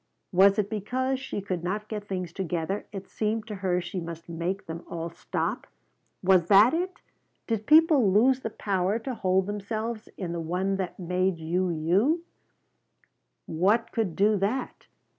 Was it because she could not get things together it seemed to her she must make them all stop? Was that it? Did people lose the power to hold themselves in the one that made you you? What could do that?